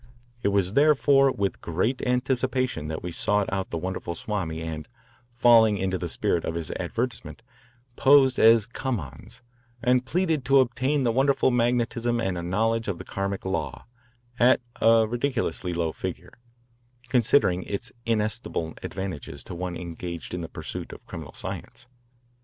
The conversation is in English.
It was therefore with great anticipation that we sought out the wonderful Swami and, falling into the spirit of his advertisement, posed as "come ons" and pleaded to obtain this wonderful magnetism and a knowledge of the Karmic law at a ridiculously low figure, considering its inestimable advantages to one engaged in the pursuit of criminal science.